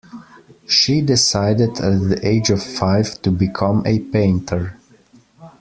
She decided at the age of five to become a painter.